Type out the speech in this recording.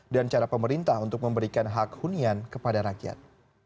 dan cara pemerintah untuk memberikan hak hunian kepada rakyat